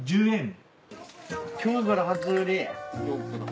１０円。